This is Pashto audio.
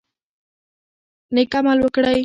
نیک عمل وکړئ.